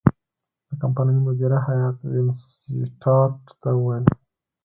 د کمپنۍ مدیره هیات وینسیټارټ ته وویل.